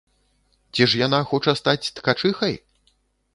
Ці ж яна хоча стаць ткачыхай?